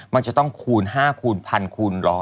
มันจะต้องคูณ๕คูณ๑๐๐คูณ๑๐๐